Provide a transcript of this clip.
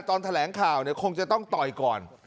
ตอนแถลงข่าวเนี่ยคงจะต้องต่อยก่อน